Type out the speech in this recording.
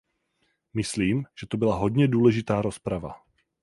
Myslím, že to byla hodně důležitá rozprava.